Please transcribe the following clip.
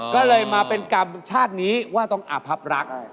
ก็เลยมาเป็นกรรมชาตินี้ว่าต้องอภับรัก